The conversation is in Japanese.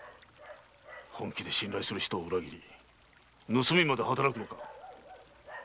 本気で信頼する人を裏切り盗みまで働くのか？